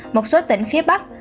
một số tỉnh phía bắc